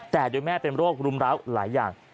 แต่โดยแม่เป็นโรครุมร้าวหลายอย่าง